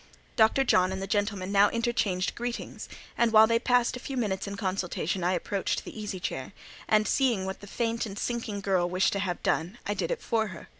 Dr. John and the gentleman now interchanged greetings; and while they passed a few minutes in consultation, I approached the easy chair, and seeing what the faint and sinking girl wished to have done, I did it for her.